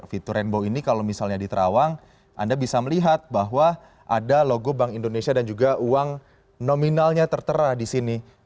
fitur rainbow ini kalau misalnya di terawang anda bisa melihat bahwa ada logo bank indonesia dan juga uang nominalnya tertera di sini